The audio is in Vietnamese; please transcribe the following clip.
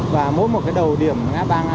và mỗi một đầu điểm ngã ba ngã bốn